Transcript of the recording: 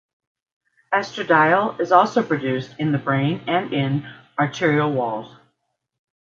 Estradiol is also produced in the brain and in arterial walls.